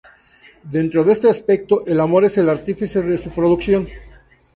Dentro de este aspecto, el amor es el artífice de su producción".